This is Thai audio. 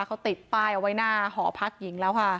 เขาติดป้ายเอาไว้หน้าหอพักหญิงแล้วค่ะ